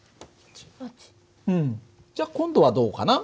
うんじゃあ今度はどうかな？